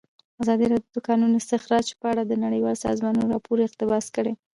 ازادي راډیو د د کانونو استخراج په اړه د نړیوالو سازمانونو راپورونه اقتباس کړي.